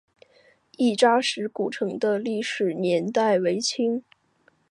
亦扎石古城的历史年代为清。